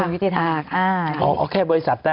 ของกระทรวงยุติธรรมนี่